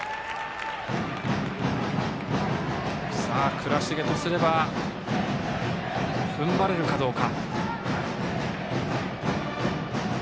倉重とすればふんばれるかどうか。